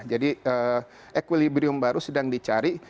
jadi equilibrium baru sedang dicari